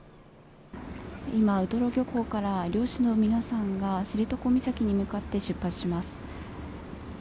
今、ウトロ漁港から、漁師の皆さんが、知床岬に向かって出発します。